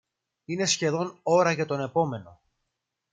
Είναι σχεδόν ώρα για τον επόμενο